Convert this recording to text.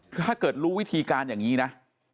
ถ้าเกิดรู้วิธีการอย่างนี้นะ